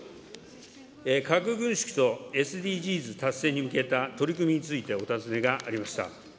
核軍縮とＳＤＧｓ達成に向けた取り組みについてお尋ねがありました。